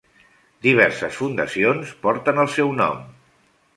Diverses fundacions porten el seu nom.